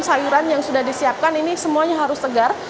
sayuran yang sudah disiapkan ini semuanya harus segar